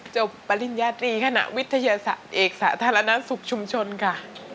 จบปริญญาตรีขณะวิทยาศาสตร์เอกสาธารณสุขชุมชนค่ะ